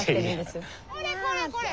これこれこれ！